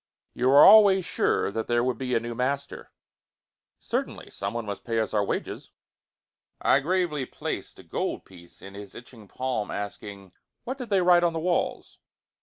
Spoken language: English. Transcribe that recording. "You were always sure that there would be a new master?" "Certainly. Someone must pay us our wages." I gravely placed a gold piece in his itching palm, asking, "What did they write on the walls?"